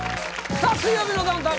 さあ「水曜日のダウンタウン」